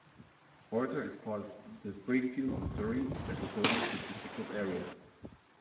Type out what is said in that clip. Sparta is part of the Springfield, Missouri Metropolitan Statistical Area.